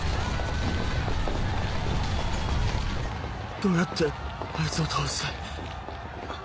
どうやってあいつを倒す？